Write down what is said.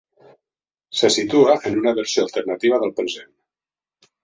Se situa en una versió alternativa del present.